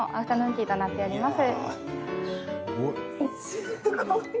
すごい！